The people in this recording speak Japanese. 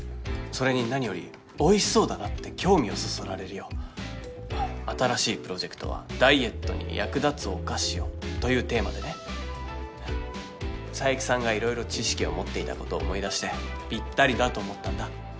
それに何よりおいしそうだなって興味をそそられるよ新しいプロジェクトはダイエットに役立つお菓子をというテーマでね佐伯さんが色々知識を持っていたことを思い出してぴったりだと思ったんだ